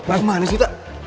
emang mana sih tak